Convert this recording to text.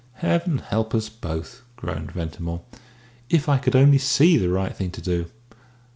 "Heaven help us both!" groaned Ventimore. "If I could only see the right thing to do.